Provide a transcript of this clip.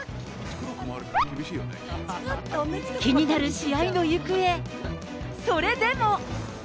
気になる試合の行方、それでも。